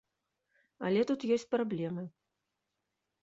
Але тут ёсць праблемы.